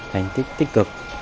hành tích tích cực